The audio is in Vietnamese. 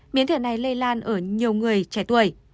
biến thể này lây lan ở nhiều người trẻ tuổi